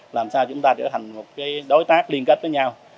làm sao chúng ta trở thành một đối tác liên kết với nhau